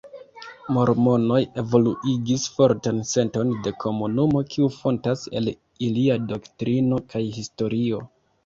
Mormonoj evoluigis fortan senton de komunumo kiu fontas el ilia doktrino kaj historio.